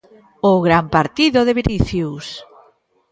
O gran partido de Vinicius.